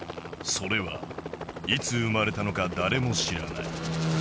それはいつ生まれたのか誰も知らない